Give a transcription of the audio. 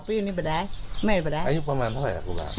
ประมาณเท่าไหร่ครูบาล